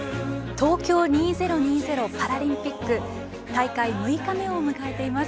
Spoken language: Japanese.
東京２０２０パラリンピック大会６日目を迎えています。